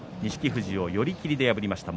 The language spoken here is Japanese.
富士を寄り切りで破りました。